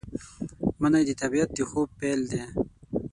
منی د طبیعت د خوب پیل دی